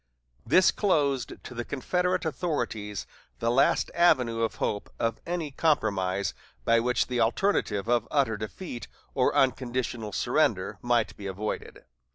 This closed to the Confederate authorities the last avenue of hope of any compromise by which the alternative of utter defeat or unconditional surrender might be avoided.